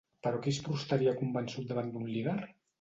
Però qui es prostraria convençut davant d'un líder?